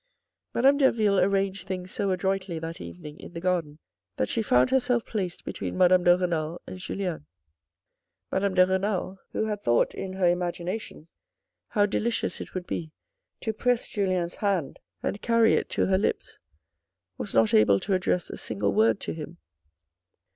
Madame Derville arranged things so adroitly that evening in the garden, that she found herself placed between Madame de Renal and Julien. Madame de Renal, who had thought in her imagination how delicious it would be to press Julien's hand and carry it to her lips, was not able to address a single word to him.